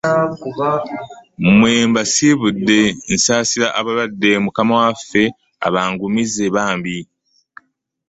Mmwe mbasiibudde nsaasira abalwadde, mukama waffe abangumize bambi.